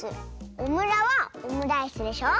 「オムラ」は「オムライス」でしょ。